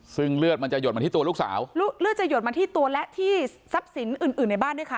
ซึ่งเลือดมันจะหยดมาที่ตัวลูกสาวเลือดจะหยดมาที่ตัวและที่ทรัพย์สินอื่นอื่นในบ้านด้วยค่ะ